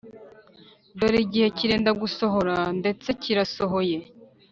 Dore igihe kirenda gusohora ndetse kirasohoye